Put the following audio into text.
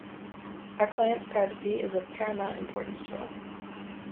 Our client's privacy is of paramount importance to us.